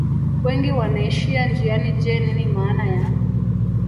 wengi wanaishia njiani je nini maana ya